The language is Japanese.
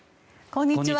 こんにちは。